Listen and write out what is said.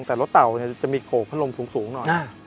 แต่รถเต่าจะมีโขกพัดลมสูงหน่อย